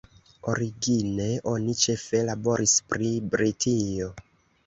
Origine oni ĉefe laboris pri Britio.